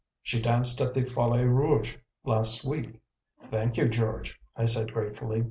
She danced at the Folie Rouge last week." "Thank you, George," I said gratefully.